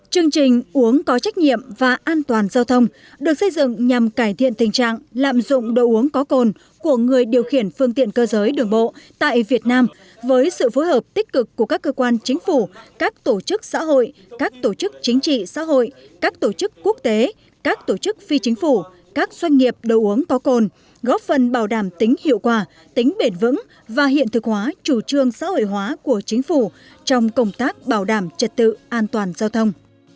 chương trình uống có trách nhiệm và an toàn giao thông được xây dựng nhằm cải thiện tình trạng lạm dụng đồ uống có cồn của người điều khiển phương tiện cơ giới đường bộ tại việt nam với sự phối hợp tích cực của các cơ quan chính phủ các tổ chức xã hội các tổ chức chính trị xã hội các tổ chức quốc tế các tổ chức phi chính phủ các doanh nghiệp đồ uống có cồn góp phần bảo đảm tính hiệu quả tính bền vững và hiện thực hóa chủ trương xã hội hóa của chính phủ trong công tác bảo đảm trật tự an toàn